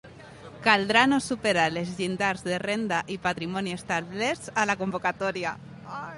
Caldrà no superar els llindars de renda i patrimoni establerts a la convocatòria.